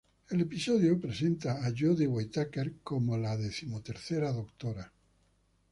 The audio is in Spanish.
El episodio presenta a Jodie Whittaker como la Decimotercer Doctor.